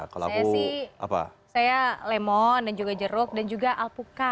saya sih saya lemon dan juga jeruk dan juga alpukat